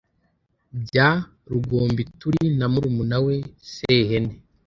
bya Rugombituri na murumuna we Sehene